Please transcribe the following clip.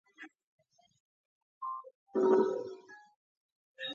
将非持球脚置于球上。